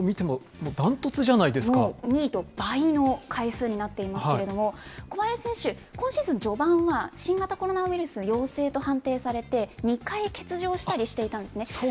もう２位と倍の回数になっていますけれども、小林選手、今シーズン序盤は新型コロナウイルスの陽性と判定されて、２回欠そうですよね。